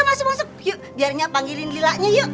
masuk masuk yuk biar dia panggilin lilanya yuk